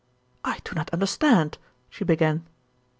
"I do not understand," she began.